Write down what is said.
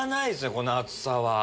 この厚さは。